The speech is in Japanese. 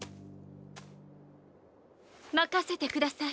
任せてください。